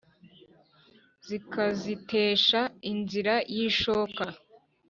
Zikazitesha inzira y'ishoka